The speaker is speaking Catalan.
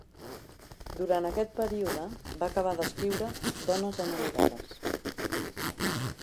Durant aquest període va acabar d'escriure "Dones enamorades".